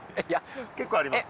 結構あります